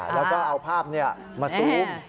แล้วก็เอาภาพมาซูม